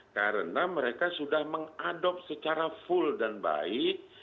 karena mereka sudah mengadopsi secara full dan baik